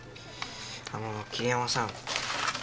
あの霧山さん。